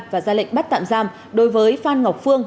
và ra lệnh bắt tạm giam đối với phan ngọc phương